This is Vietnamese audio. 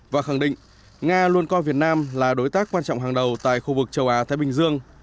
và khẳng định nga luôn coi việt nam là đối tác quan trọng hàng đầu tại khu vực châu á thái bình dương